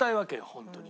本当に。